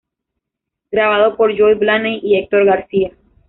Grabado por Joe Blaney y Hector Garcia.